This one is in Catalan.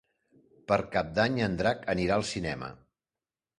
Per Cap d'Any en Drac anirà al cinema.